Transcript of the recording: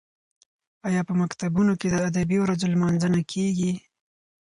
ایا په مکتبونو کې د ادبي ورځو لمانځنه کیږي؟